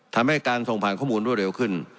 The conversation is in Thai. ทำให้การส่งผ่านข้อมูลรวดเร็วขึ้น